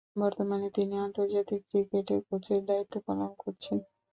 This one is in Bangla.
বর্তমানে তিনি আন্তর্জাতিক ক্রিকেটে কোচের দায়িত্ব পালন করছেন।